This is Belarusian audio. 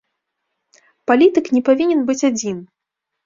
Палітык не павінен быць адзін.